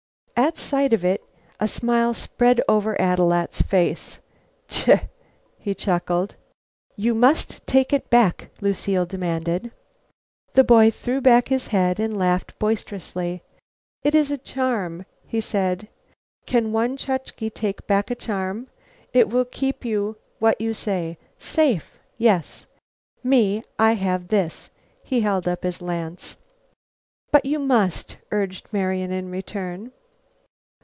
At sight of it a smile spread over Ad loo at's face. "Ch k!" he chuckled. "You must take it back," Lucile demanded. The boy threw back his head and laughed boisterously. "It is a charm," he said. "Can one Chukche take back a charm? It will keep you what you say? safe, yes. Me, I have this." He held up his lance. "But you must," urged Marian in turn.